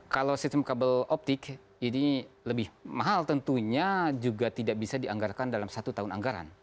kalau sistem kabel optik ini lebih mahal tentunya juga tidak bisa dianggarkan dalam satu tahun anggaran